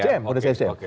sdm fondasi sdm